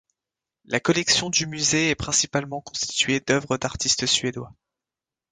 La collection du musée est principalement constituée d'œuvre d'artistes suédois.